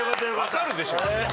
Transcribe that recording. わかるでしょ。